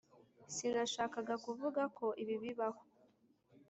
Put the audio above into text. sinashakaga kuvuga ko ibi bibaho.